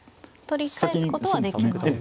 取り返すことはできますね。